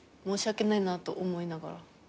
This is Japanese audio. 申し訳ないなと思いながら。